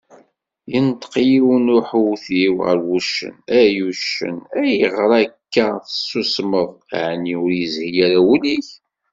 Yenṭeq yiwen uḥewtiw γer wuccen: Ay uccen, ayγer akka tessusmeḍ, εni ur yezhi ara wul-ik?